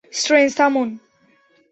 Strange, থামুন।